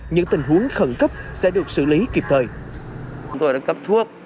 những tình huống khẩn cấp sẽ được xử lý kịp thời